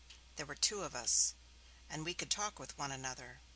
There were two of us, and we could talk with one another.